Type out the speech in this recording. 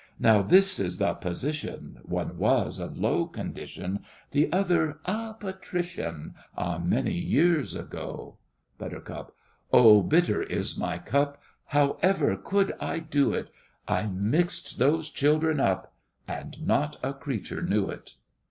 Now, this is the position: One was of low condition, The other a patrician, A many years ago. BUT. Oh, bitter is my cup! However could I do it? I mixed those children up, And not a creature knew it!